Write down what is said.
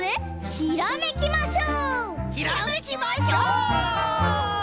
ひらめきましょう！